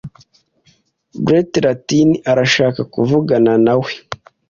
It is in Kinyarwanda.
Brunett Latini arashaka kuvugana nawe